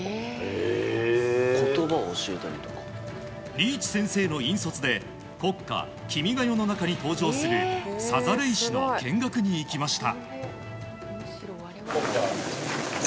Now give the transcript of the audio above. リーチ先生の引率で国歌「君が代」の中に登場するさざれ石の見学に行きました。